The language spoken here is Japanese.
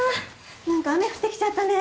なんか雨降ってきちゃったね。